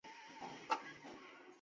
中麝鼩为鼩鼱科麝鼩属的动物。